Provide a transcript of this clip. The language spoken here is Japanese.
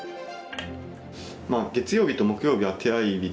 月曜日と木曜日は手合い日で。